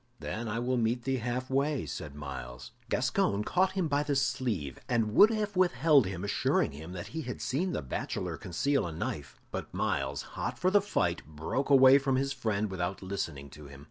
"Then I will meet thee halfway," said Myles. Gascoyne caught him by the sleeve, and would have withheld him, assuring him that he had seen the bachelor conceal a knife. But Myles, hot for the fight, broke away from his friend without listening to him.